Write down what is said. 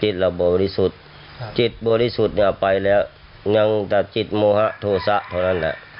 เราบริสุทธิ์จิตบริสุทธิ์เนี่ยไปแล้วยังแต่จิตโมหะโทษะเท่านั้นแหละ